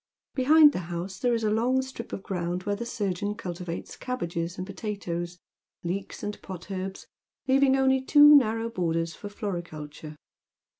Behind the house there is a long strip of ground where the surgeou cultivates cabbages and potatoes, leeks and potherbs, leaving only two narrow borders for floriculture.